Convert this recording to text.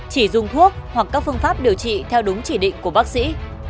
chỉ dùng thuốc hoặc các phương pháp điều trị theo đúng chỉ định của bác sĩ